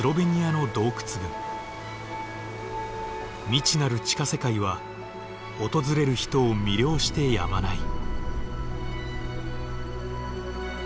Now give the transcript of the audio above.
未知なる地下世界は訪れる人を魅了してやまない。